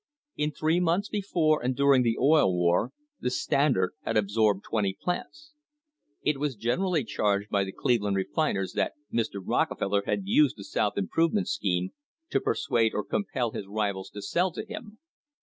In three months before and during the Oil War the Standard had absorbed twenty plants. It was generally charged by the Cleveland refiners that Mr. Rockefeller had used the South Improvement scheme to per suade or compel his rivals to sell to him.